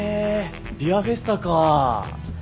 ビアフェスタか。